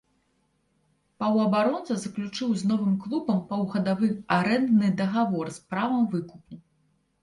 Паўабаронца заключыў з новым клубам паўгадавы арэндны дагавор з правам выкупу.